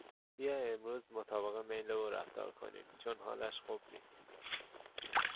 بیا امروز مطابق میل او رفتار کنیم چون حالش خوب نیست.